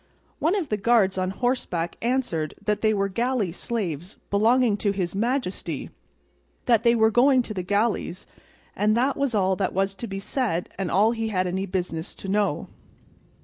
One of the guards on horseback answered that they were galley slaves belonging to his majesty, that they were going to the galleys, and that was all that was to be said and all he had any business to know.